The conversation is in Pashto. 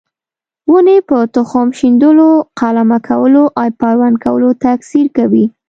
ونې په تخم شیندلو، قلمه کولو او پیوند کولو تکثیر کوي.